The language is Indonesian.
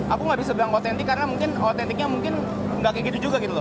aku nggak bisa bilang otentik karena mungkin otentiknya mungkin nggak kayak gitu juga gitu loh